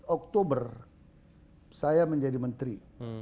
oktober saya menjadi menteri